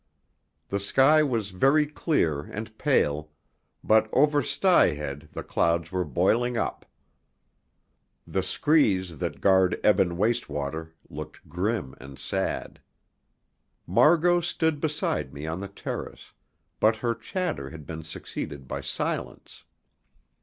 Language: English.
The sky was very clear and pale, but over Styhead the clouds were boiling up. The Screes that guard ebon Wastwater looked grim and sad. Margot stood beside me on the terrace, but her chatter had been succeeded by silence.